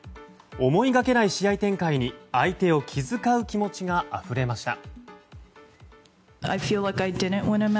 思いがけない試合展開に相手を気遣う気持ちがあふれました。